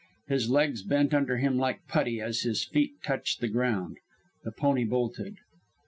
His legs bent under him like putty as his feet touched the ground. The pony bolted.